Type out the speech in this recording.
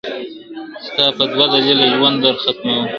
ستا په دوه دلیله ژوند در ختمومه ..